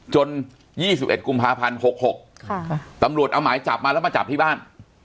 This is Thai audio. ๒๑กุมภาพันธ์๖๖ตำรวจเอาหมายจับมาแล้วมาจับที่บ้าน